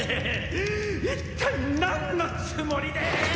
一体なんのつもりで！